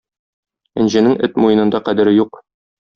Энҗенең эт муенында кадере юк.